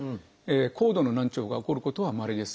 高度な難聴が起こることはまれです。